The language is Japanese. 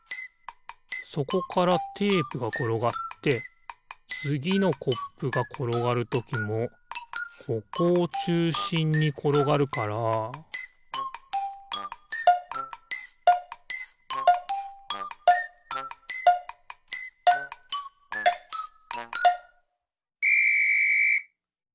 そこからテープがころがってつぎのコップがころがるときもここをちゅうしんにころがるからピッ！